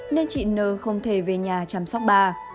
nên chị nờ không thể về nhà chăm sóc bà